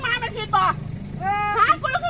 มึงอย่าซุบกูน้าก็จะบอก